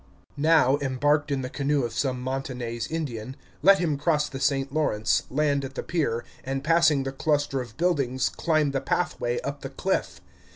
Now, embarked in the canoe of some Montagnais Indian, let him cross the St. Lawrence, land at the pier, and, passing the cluster of buildings, climb the pathway up the cliff.